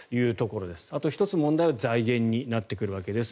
あと１つ問題は財源になってくるわけです。